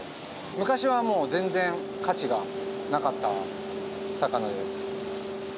昔はもう全然価値がなかった魚です。